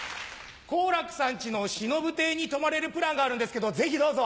好楽さんちのしのぶ亭に泊まれるプランがあるんですけどぜひどうぞ。